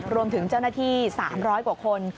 รวมถึงเจ้าหน้าที่๓๐๐กว่าคน